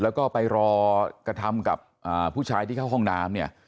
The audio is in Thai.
แล้วก็ไปรอกระทำกับผู้ชายที่เข้าห้องน้ำเนี่ย